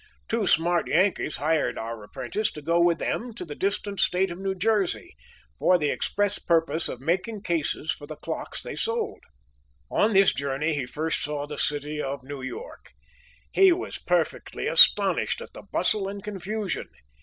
Two smart Yankees hired our apprentice to go with them to the distant State of New Jersey, for the express purpose of making cases for the clocks they sold. On this journey he first saw the city of New York. He was perfectly astonished at the bustle and confusion.